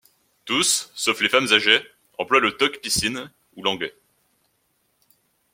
Tous, sauf les femmes âgées, emploient le tok pisin ou l'anglais.